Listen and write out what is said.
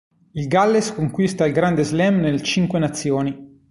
Il galles conquista il Grande Slam nel Cinque Nazioni.